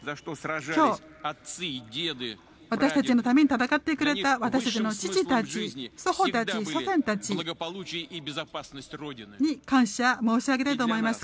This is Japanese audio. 今日、私たちのために戦ってくれた私たちの父たち、祖父たち祖先たちに感謝申し上げたいと思います。